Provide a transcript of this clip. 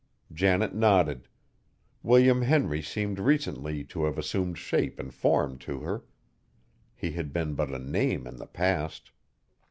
Janet nodded. William Henry seemed recently to have assumed shape and form to her. He had been but a name in the past.